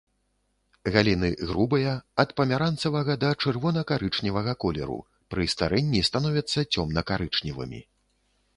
Галіны грубыя, ад памяранцавага да чырвона-карычневага колеру, пры старэнні становяцца цёмна-карычневымі.